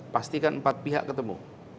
pastikan empat pihak ketemu